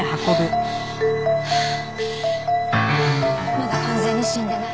まだ完全に死んでない。